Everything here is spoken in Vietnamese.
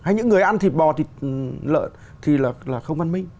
hay những người ăn thịt bò thịt lợn thì là không văn minh